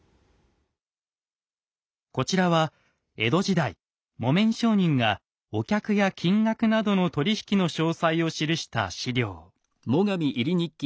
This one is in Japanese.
こちらは江戸時代木綿商人がお客や金額などの取り引きの詳細を記した史料。